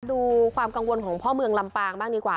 ดูความกังวลของพ่อเมืองลำปางบ้างดีกว่า